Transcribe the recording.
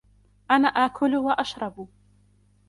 أنا آكل وأشرب.